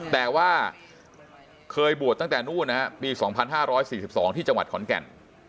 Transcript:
แต่ว่าเคยบวชตั้งแต่นู่นนะฮะปี๒๕๔๒ที่จังหวัดขอนแก่น